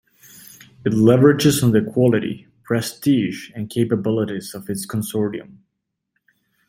It leverages on the quality, prestige and capabilities of its consortium.